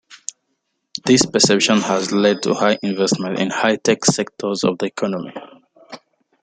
This perception has led to high investment in high-tech sectors of the economy.